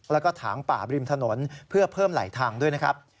แล้วก็ถางป่าบริมถนนเพื่อเพิ่มไหลทางด้วยนะครับ